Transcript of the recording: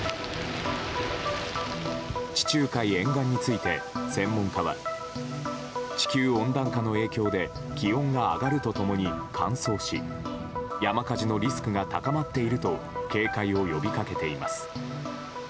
地中海沿岸について、専門家は地球温暖化の影響で気温が上がると共に乾燥し山火事のリスクが高まっていると警戒を呼びかけています。